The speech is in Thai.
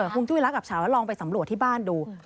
คุณจุ้ยรักกับฉาแล้วลองไปสำรวจที่บ้านดู